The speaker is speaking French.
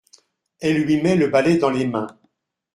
Elle lui met le balai dans les mains.